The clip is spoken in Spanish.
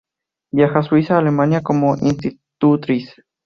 Viaja de Suiza a Alemania como institutriz.